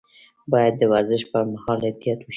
باید د ورزش پر مهال احتیاط وشي.